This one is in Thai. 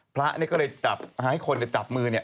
พระก็เลยหาคนจะจับมือ